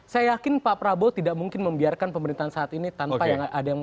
saya yakin pak prabowo tidak mungkin membiarkan pemerintahan selalu berjalan